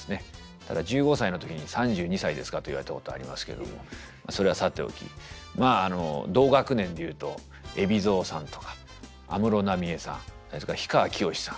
ただ１５歳の時に「３２歳ですか？」と言われたことありますけどもそれはさておきまあ同学年でいうと海老蔵さんとか安室奈美恵さんそれから氷川きよしさん。